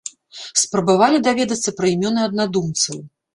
Спрабавалі даведацца пра імёны аднадумцаў.